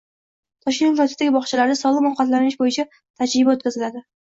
Toshkent viloyatidagi bog‘chalarda sog‘lom ovqatlantirish bo‘yicha tajriba o‘tkaziladi